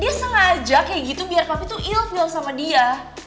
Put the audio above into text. dia sengaja kayak gitu biar kami tuh ill feel sama dia